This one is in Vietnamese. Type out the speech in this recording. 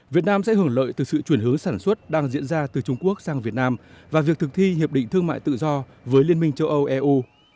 việt nam sẽ hưởng lợi từ sự chuyển hướng sản xuất đang diễn ra từ trung quốc sang việt nam và việc thực thi hiệp định thương mại tự do với liên minh châu âu eu